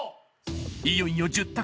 いよいよ１０択